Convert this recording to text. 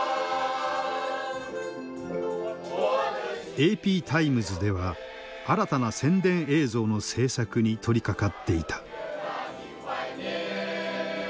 ＡＰタイムズでは新たな宣伝映像の制作に取りかかっていた。